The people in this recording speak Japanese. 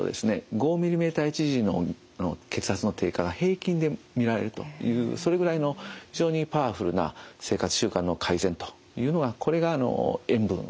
５ｍｍＨｇの血圧の低下が平均で見られるというそれぐらいの非常にパワフルな生活習慣の改善というのがこれが塩分なんですね。